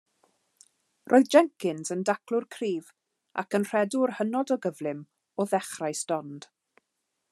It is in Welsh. Roedd Jenkins yn daclwr cryf ac yn rhedwr hynod o gyflym o ddechrau stond.